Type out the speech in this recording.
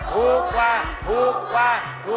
ถูกกว่า